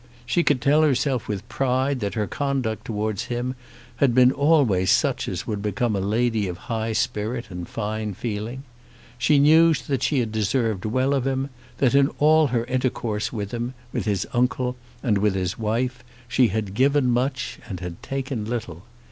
She could tell herself with pride that her conduct towards him had been always such as would become a lady of high spirit and fine feeling. She knew that she had deserved well of him, that in all her intercourse with him, with his uncle, and with his wife, she had given much and had taken little.